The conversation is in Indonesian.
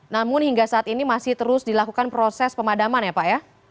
namun hingga saat ini masih terus dilakukan proses pemadaman ya pak ya